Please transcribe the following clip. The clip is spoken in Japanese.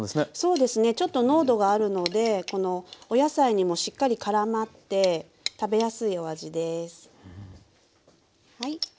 そうですねちょっと濃度があるのでお野菜にもしっかりからまって食べやすいお味です。